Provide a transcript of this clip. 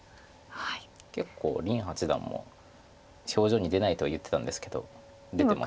結構林八段も表情に出ないとは言ってたんですけど出てます。